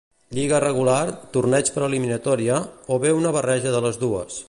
Lliga regular, torneig per eliminatòria, o bé una barreja de les dues.